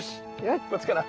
こっちかな。